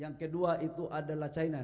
yang kedua itu adalah china